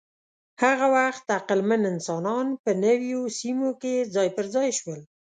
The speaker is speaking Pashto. هغه وخت عقلمن انسانان په نویو سیمو کې ځای پر ځای شول.